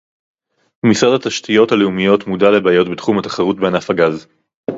משרד התשתיות הלאומיות מודע לבעיות בתחום התחרות בענף הגז